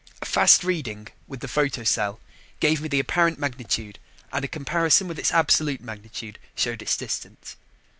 A fast reading with the photocell gave me the apparent magnitude and a comparison with its absolute magnitude showed its distance.